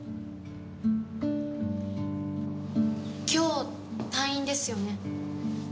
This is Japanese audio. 今日退院ですよね？